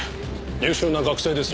優秀な学生ですよ。